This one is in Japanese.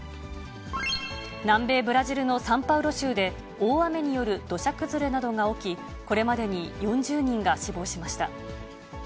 南米ブラジルのサンパウロ州で大雨による土砂崩れなどが起き、これまでに４０人が死亡しました。